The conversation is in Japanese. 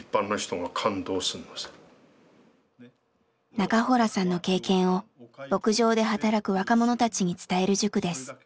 中洞さんの経験を牧場で働く若者たちに伝える塾です。